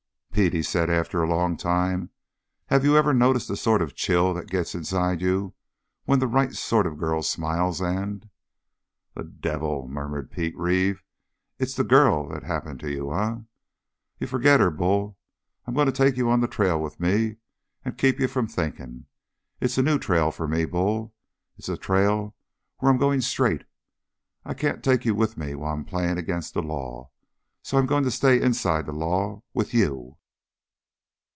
"Pete," he said, after a long time, "have you ever noticed a sort of chill that gets inside you when the right sort of a girl smiles and " "The devil," murmured Pete Reeve, "it's the girl that's happened to you, eh? You forget her, Bull. I'm going to take you on the trail with me and keep you from thinking. It's a new trail for me, Bull. It's a trail where I'm going straight, I can't take you with me while I'm playing against the law. So I'm going to stay inside the law with you."